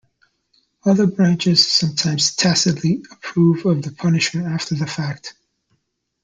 Other branches sometimes tacitly approve of the punishment after the fact.